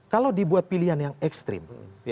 kalau dibuat pilihan yang ekstrim